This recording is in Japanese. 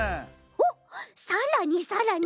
おっさらにさらに。